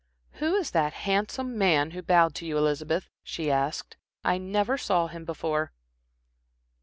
"Who is that handsome man who bowed to you, Elizabeth?" she asked. "I never saw him before."